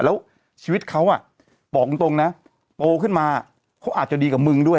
แล้วชีวิตเขาบอกตรงนะโตขึ้นมาเขาอาจจะดีกับมึงด้วย